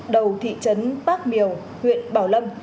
đầu thị trấn bác miều huyện bảo lâm